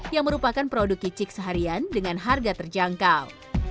yang merupakan produk kicik seharian dengan harga terjangkau